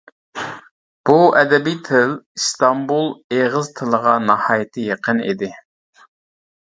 بۇ ئەدەبىي تىل ئىستانبۇل ئېغىز تىلىغا ناھايىتى يېقىن ئىدى.